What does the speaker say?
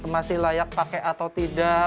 masih layak pakai atau tidak